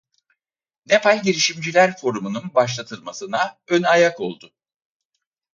Nepal Girişimciler Forumu'nun başlatılmasına ön ayak oldu.